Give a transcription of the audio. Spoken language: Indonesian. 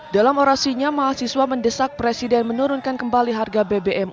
dalam orasinya mahasiswa mendesak presiden menurunkan kembali harga bbm